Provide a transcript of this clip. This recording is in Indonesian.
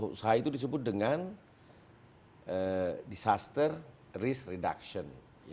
usaha itu disebut dengan disaster risk reduction